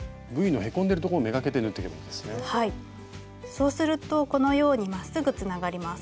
そうするとこのようにまっすぐつながります。